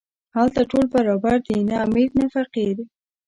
هلته ټول برابر دي، نه امیر نه فقیر.